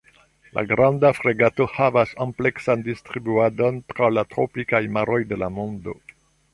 La Granda fregato havas ampleksan distribuadon tra la tropikaj maroj de la mondo.